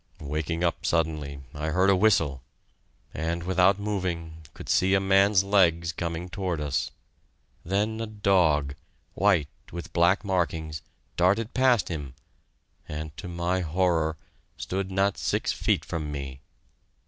Waking up suddenly, I heard a whistle, and, without moving, could see a man's legs coming toward us. Then a dog, white with black markings, darted past him, and, to my horror, stood not six feet from me.